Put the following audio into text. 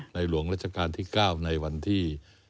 หลวงราชการที่๙ในวันที่